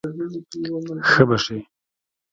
ښه به شې.